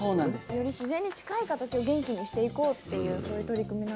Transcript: より自然に近い形を元気にしていこうっていうそういう取り組みなんですね。